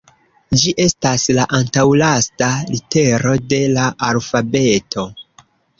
Ĝi estas la antaŭlasta litero de la alfabeto.